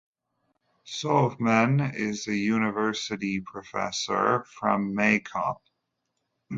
Sovmen is a university professor from Maykop.